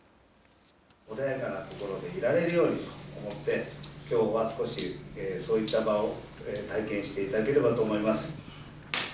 穏やかな心でいられるようにと思って、きょうは少しそういった場を体験していただければと思います。